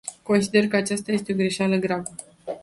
Consider că aceasta este o greșeală gravă.